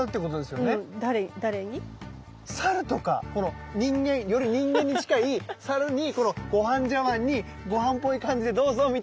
誰に？より人間に近いサルにこのごはん茶わんにごはんっぽい感じで「どうぞ！」みたいな。